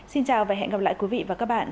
xin chào và hẹn gặp lại quý vị và các bạn